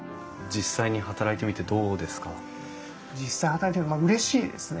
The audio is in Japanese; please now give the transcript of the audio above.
実際働いてみてうれしいですね。